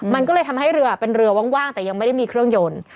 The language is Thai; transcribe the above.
มันก็เลยทำให้เรือเป็นเรือว่างแต่ยังไม่ได้มีเครื่องยนต์